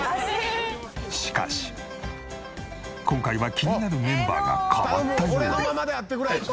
しかし今回は気になるメンバーが変わったようで。